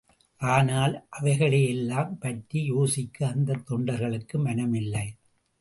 ஆனால் அவைகளையெல்லாம் பற்றி யோசிக்க அந்தத் தொண்டர்களுக்கு மனமில்லை.